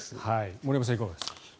森山さん、いかがですか？